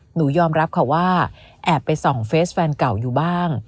หนูยอมรับค่ะว่าแอบไปส่องเฟสแฟนเก่าอยู่บ้าง